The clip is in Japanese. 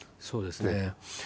そうですね。